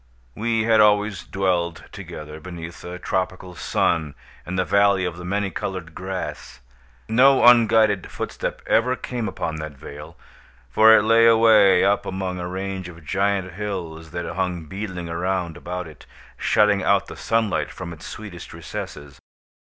We had always dwelled together, beneath a tropical sun, in the Valley of the Many Colored Grass. No unguided footstep ever came upon that vale; for it lay away up among a range of giant hills that hung beetling around about it, shutting out the sunlight from its sweetest recesses.